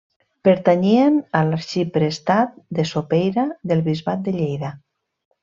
Pertanyien a l'arxiprestat de Sopeira, del bisbat de Lleida.